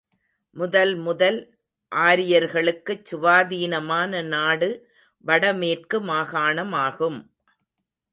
முதல் முதல் ஆரியர்களுக்குச் சுவாதீனமான நாடு வடமேற்கு மாகாணமாகும்.